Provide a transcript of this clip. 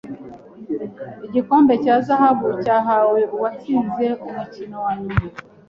Igikombe cya zahabu cyahawe uwatsinze umukino wanyuma.